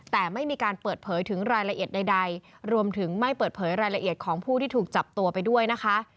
แต่ไม่มีการเปิดเผยถึงรายละเอียดใดรวมถึงไม่เปิดเผยรายละเอียดของผู้ที่ถูกจับตัวไปด้วยนะคะ